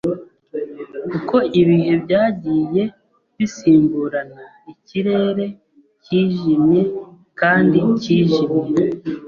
Uko ibihe byagiye bisimburana, ikirere cyijimye kandi cyijimye.